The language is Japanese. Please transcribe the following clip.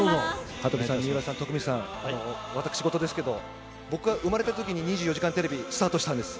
羽鳥さん、水卜さん、徳光さん、私事ですけど、僕が生まれたときに２４時間テレビスタートしたんです。